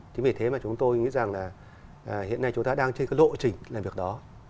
chính vì thế mà chúng tôi nghĩ rằng là hiện nay chúng ta đang trên cái lộ trình làm việc đó